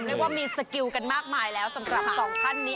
เรียกว่ามีสกิลกันมากมายแล้วสำหรับสองท่านนี้